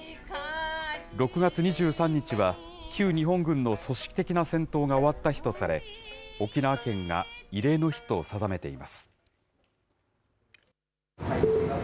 ６月２３日は、旧日本軍の組織的な戦闘が終わった日とされ、沖縄県が慰霊の日と定めています。